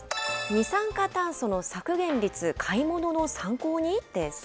二酸化炭素の削減率、買い物の参考に？です。